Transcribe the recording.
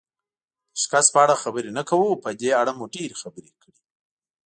د شکست په اړه خبرې نه کوو، په دې اړه مو ډېرې خبرې کړي.